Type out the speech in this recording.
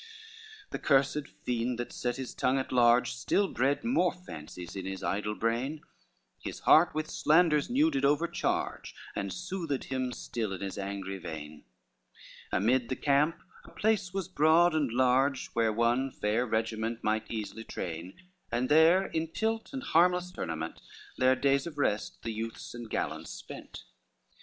XXV The cursed fiend that set his tongue at large, Still bred more fancies in his idle brain, His heart with slanders new did overcharge, And soothed him still in his angry vein; Amid the camp a place was broad and large, Where one fair regiment might easily train; And there in tilt and harmless tournament Their days of rest the youths and gallants spent.